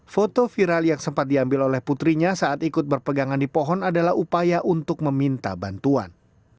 foto viral yang sempat diambil oleh putrinya saat ikut berpegangan di pohon adalah upaya untuk meminta bantuan